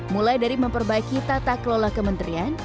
mulai dari memperbaiki tata kelola kementerian